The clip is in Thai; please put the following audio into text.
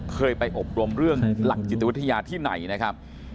เคยไปอบรมเรื่องหลักจิตวิทยาที่ไหนนะครับ